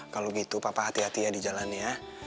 kalau gitu papa hati hati ya di jalan ya